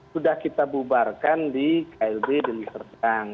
sudah kita bubarkan di klb deli serdang